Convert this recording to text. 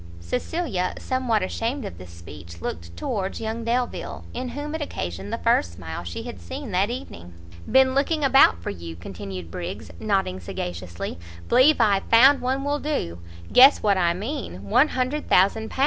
Cecilia, somewhat ashamed of this speech, looked towards young Delvile, in whom it occasioned the first smile she had seen that evening. "Been looking about for you!" continued Briggs, nodding sagaciously; "believe I've found one will do. Guess what I mean; £100,0000 hay?